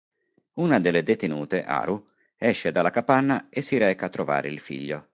Una delle detenute, Haru, esce dalla capanna e si reca a trovare il figlio.